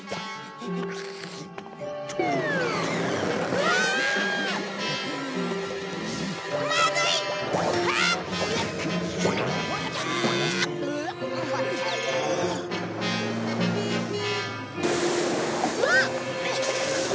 うわっ！